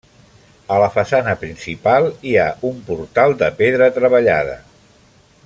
A la façana principal hi ha un portal de pedra treballada.